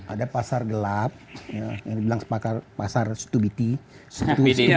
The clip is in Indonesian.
ada pasar gelap yang dibilang pasar stupidity